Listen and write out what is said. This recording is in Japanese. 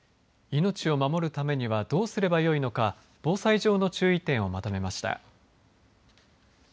命を守るためにはどうすればよいのか防災上の注意点をまとめました。